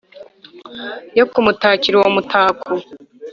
Yo kumutakira uwo mutako